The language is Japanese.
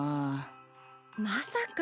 まさか。